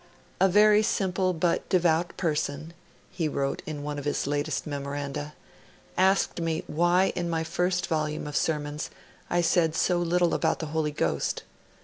'A very simple but devout person,' he wrote in one of his latest memoranda, 'asked me why in my first volume of sermons I said so little about the Holy Ghost.